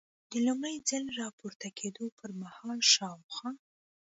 د لومړي ځل را پورته کېدو پر مهال شاوخوا.